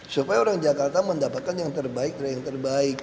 supaya orang jakarta mendapatkan yang terbaik dari yang terbaik